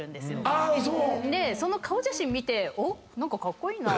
その顔写真見て。